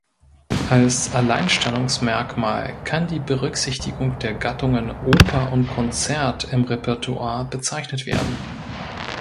Als Alleinstellungsmerkmal kann die Berücksichtigung der Gattungen Oper und Konzert im Repertoire bezeichnet werden.